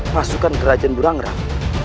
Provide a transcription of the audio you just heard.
pasukan kerajaan burang rang